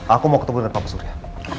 aku mau ketemu dengan pak surya